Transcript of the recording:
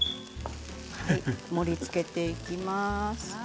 盛りつけていきます。